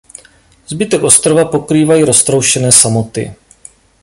Zbytek ostrova pokrývají roztroušené samoty.